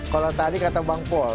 kalau tadi kata bang pul